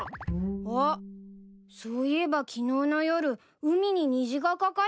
あっそういえば昨日の夜海に虹がかかったんだよ。